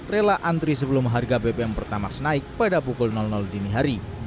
rela antri sebelum harga bbm pertamax naik pada pukul dini hari